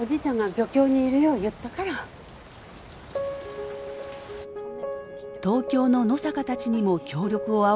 東京の野坂たちにも協力を仰ぎますが。